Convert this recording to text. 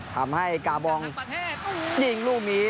ทำให้กาบองยิงลูกนี้